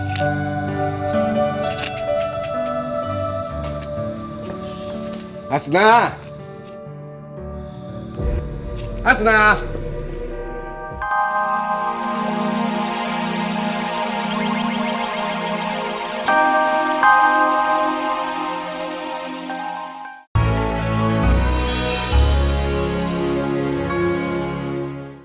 sampai jumpa lagi